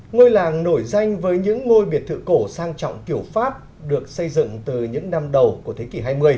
ngôi làng nổi danh với những ngôi biệt thự cổ sang trọng kiểu pháp được xây dựng từ những năm đầu của thế kỷ hai mươi